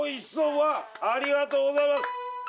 わあありがとうございます。